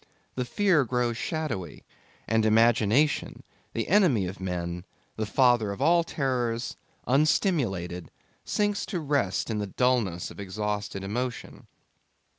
The fear grows shadowy; and Imagination, the enemy of men, the father of all terrors, unstimulated, sinks to rest in the dullness of exhausted emotion.